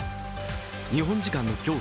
日本時間の今日